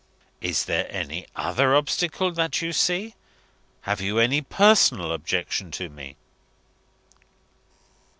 Is there any other obstacle that you see? Have you any personal objection to me?"